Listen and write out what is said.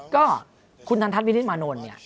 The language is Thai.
ก็คุณทันทัศวินิตมานนท์เนี่ย